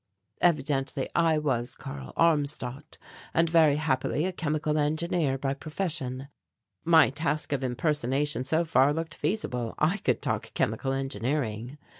Evidently I was Karl Armstadt and very happily a chemical engineer by profession. My task of impersonation so far looked feasible I could talk chemical engineering.